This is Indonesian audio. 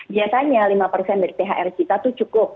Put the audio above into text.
biasanya lima persen dari thr kita itu cukup